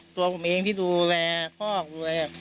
ตัวผมเองที่ดูแลพ่อดูแล